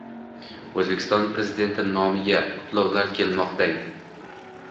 O‘zbekiston Prezidenti nomiga qutlovlar kelmoqdang